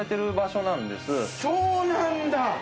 そうなんだ！